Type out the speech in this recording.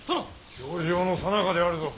評定のさなかであるぞ。